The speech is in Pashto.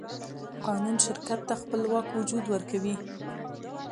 قانون شرکت ته خپلواک وجود ورکوي.